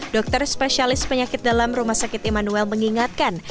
dokter spesialis penyakit dalam rumah sakit emanuel mengingatkan